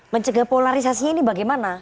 mencegah polarisasinya ini bagaimana